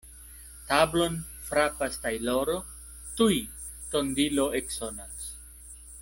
Tablon frapas tajloro, tuj tondilo eksonas.